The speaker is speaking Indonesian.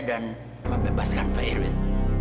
dan membebaskan pak erwin